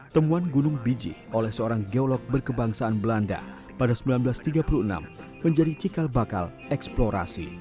temuan gunung biji oleh seorang geolog berkebangsaan belanda pada seribu sembilan ratus tiga puluh enam menjadi cikal bakal eksplorasi